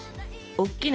おっきな